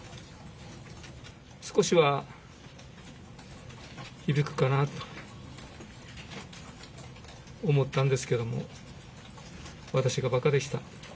少しは響くかなと思ったんですけれども、私がばかでした。